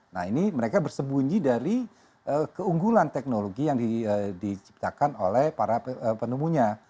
nah ini mereka bersembunyi dari keunggulan teknologi yang diciptakan oleh para penemunya